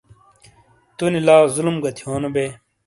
تونی لا ظلم گہ تھیونو بئے۔